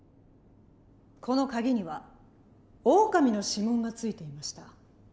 このカギにはオオカミの指紋がついていました。